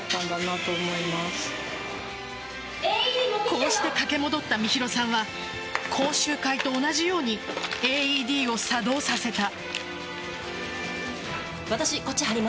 こうして駆け戻った美弘さんは講習会と同じようにＡＥＤを作動させた。